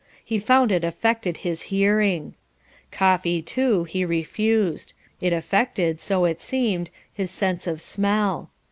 He found it affected his hearing. Coffee, too, he refused. It affected, so it seemed, his sense of smell.